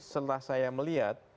setelah saya melihat